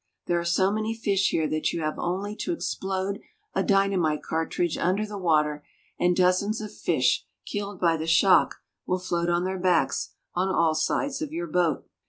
There are so many fish here that you have only to explode a dynamite cartridge under the water, and dozens of fish, killed by the shock, will float on their backs on all sides of your boat.